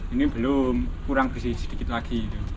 ini belum kurang bersih sedikit lagi